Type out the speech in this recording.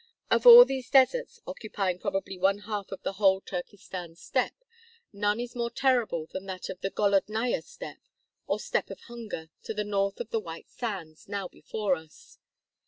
Of all these deserts, occupying probably one half of the whole Turkestan steppe, none is more terrible than that of the "Golodnaya Steppe," or Steppe of Hunger, to the north of the "White Sands" now before us.